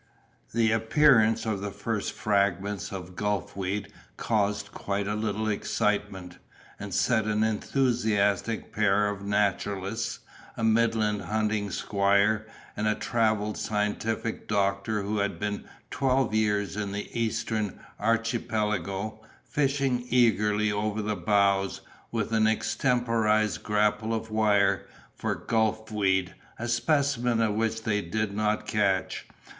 The appearance of the first fragments of gulf weed caused quite a little excitement, and set an enthusiastic pair of naturalists, a midland hunting squire, and a travelled scientific doctor who had been twelve years in the Eastern Archipelago, fishing eagerly over the bows, with an extemporized grapple of wire, for gulf weed, a specimen of which they did not catch.